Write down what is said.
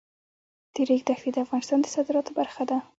د ریګ دښتې د افغانستان د صادراتو برخه ده.